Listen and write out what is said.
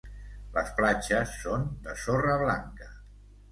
Les platges són de sorra blanca.